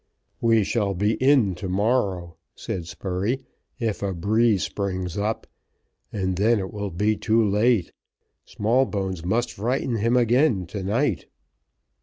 "We shall be in to morrow," said Spurey, "if a breeze springs up, and then it will be too late: Smallbones must frighten him again to night."